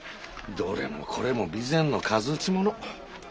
どれもこれも備前の数打ちもの。